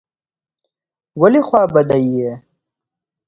ولي خوابدی یې ؟